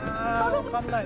わかんない。